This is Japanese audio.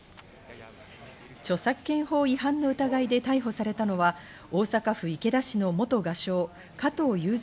著作権法違反の疑いで逮捕されたのは、大阪府池田市の元画商・加藤雄三